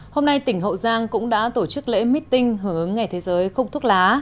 hôm nay tỉnh hậu giang cũng đã tổ chức lễ meeting hưởng ứng ngày thế giới không thuốc lá